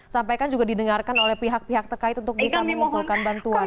sampaikan juga didengarkan oleh pihak pihak terkait untuk bisa mengumpulkan bantuan